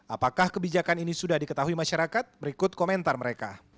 apakah kebijakan ini sudah diketahui masyarakat berikut komentar mereka